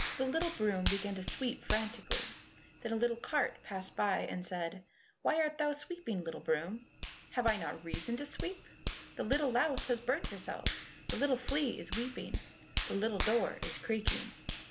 So the little broom began to sweep frantically. Then a little cart passed by and said, "Why art thou sweeping, little broom?" "Have I not reason to sweep?" "The little louse has burnt herself, The little flea is weeping, The little door is creaking."